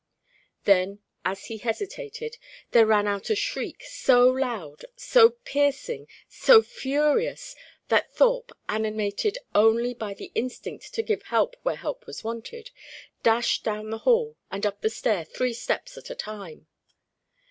Then, as he hesitated, there rang out a shriek, so loud, so piercing, so furious, that Thorpe, animated only by the instinct to give help where help was wanted, dashed down the hall and up the stair three steps at a time.